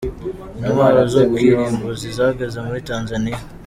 Intwaro za kirimbuzi zageze muri Tanzania.